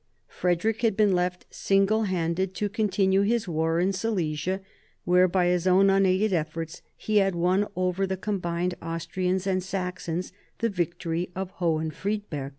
Frederick had been left single handed to continue his war in Silesia, where, by his own unaided efforts, he had won over the combined Austrians and Saxons the victory of Hohen Friedberg.